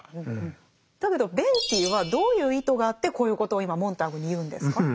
だけどベイティーはどういう意図があってこういうことを今モンターグに言うんですか？